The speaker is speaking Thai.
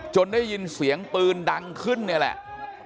ได้ยินเสียงปืนดังขึ้นเนี่ยแหละ